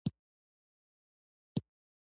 د احمد پیسې کمې شوې.